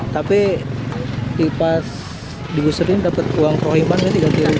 tapi pas diguserin dapat uang prohiman kan